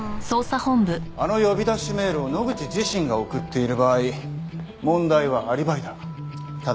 あの呼び出しメールを野口自身が送っている場合問題はアリバイだ。